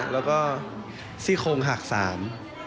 แล้วก็ซี่โครงหักสาม